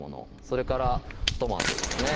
それからトマトですね